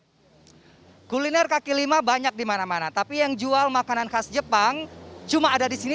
kuliner kaki lima banyak dimana mana tapi yang jual makanan khas jepang cuma ada di sini